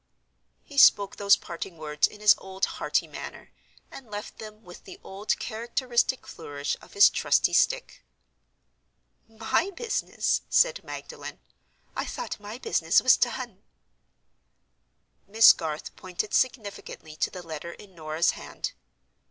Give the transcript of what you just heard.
He spoke those parting words in his old hearty manner; and left them, with the old characteristic flourish of his trusty stick. "My business!" said Magdalen. "I thought my business was done." Miss Garth pointed significantly to the letter in Norah's hand.